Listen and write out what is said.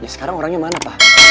sekarang orangnya mana pak